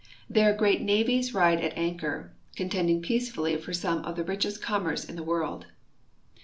There great navies ride at anchor, contending peacefully for some of the richest commerce of the world.